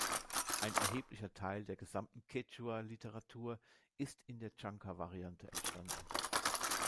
Ein erheblicher Teil der gesamten Quechua-Literatur ist in der Chanka-Variante entstanden.